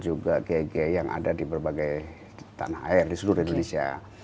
gabungan antara ggnu kultural dan juga gg yang ada di berbagai tanah air di seluruh indonesia